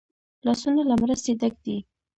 لاسونه له مرستې ډک دي